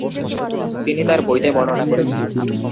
তিনি তার বইতে বর্ণনা করেছেন।